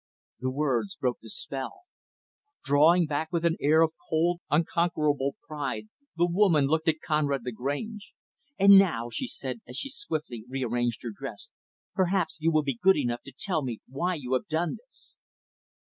The words broke the spell. Drawing back with an air of cold, unconquerable pride, the woman looked at Conrad Lagrange. "And now," she said, as she swiftly rearranged her dress, "perhaps you will be good enough to tell me why you have done this."